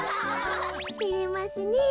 てれますねえ。